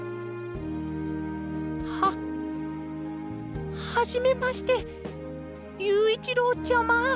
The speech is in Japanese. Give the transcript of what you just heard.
ははじめましてゆういちろうちゃま。